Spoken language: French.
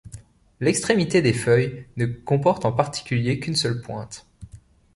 L'extrémité des feuilles ne comporte en particulier qu'une seule pointe.